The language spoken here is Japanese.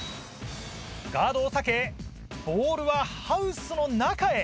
ガードを避けボールはハウスの中へ。